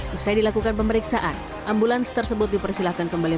setelah dilakukan pemeriksaan ambulans tersebut dipersilahkan kembali